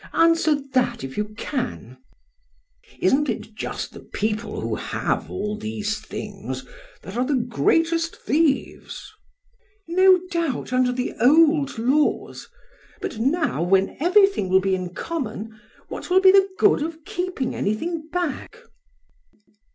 Answer that if you can! BLEPS. Isn't it just the people who have all these things that are the greatest thieves? PRAX. No doubt, under the old laws. But now, when everything will be in common what will be the good of keeping anything back?